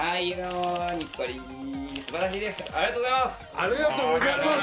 ありがとうございます！